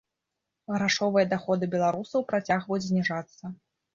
Грашовыя даходы беларусаў працягваюць зніжацца.